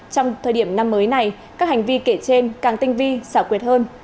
trong thời điểm năm mới này các hành vi kể trên càng tinh vi xảo quyệt hơn